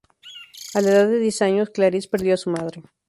A la edad de diez años, Clarice perdió a su madre.